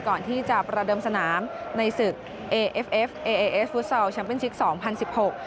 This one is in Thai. ก่อนที่จะประเดิมสนามในศึกเอเอฟเอฟเอเอฟุตซอลแชมเป็นชิคสองพันสิบหก